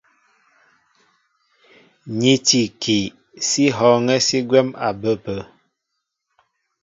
Ní tí ikii, sí hɔ̄ɔ̄ŋɛ́ ni gwɛ̌m a bə ápə̄.